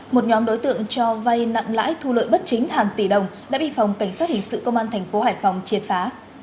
một nhóm đối tượng cho vay nặng lãi thu lợi bất chính hàng tỷ đồng đã bị phòng cảnh sát hình sự công an thành phố hải phòng triệt phá